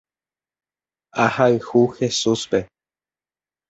Ahayhu Jesúspe.